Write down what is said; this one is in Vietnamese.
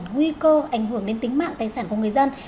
nguy cơ ảnh hưởng đến tính mạng tài sản của người dân